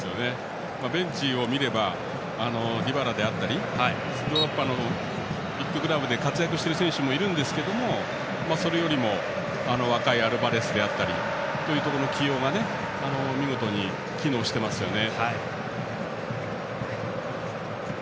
ベンチを見ればディバラだったりヨーロッパのビッグクラブで活躍する選手もいますがそれよりも若いアルバレスであったりというところの起用が見事に機能していますよね。